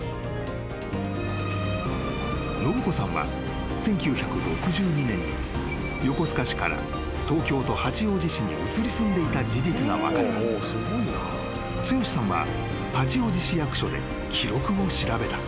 ［信子さんは１９６２年に横須賀市から東京都八王子市に移り住んでいた事実が分かり剛志さんは八王子市役所で記録を調べた］